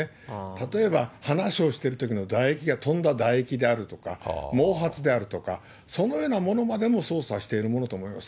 例えば話をしてるときの唾液が飛んだ唾液であるとか、毛髪であるとか、そのようなものまでも捜査しているものと思われます。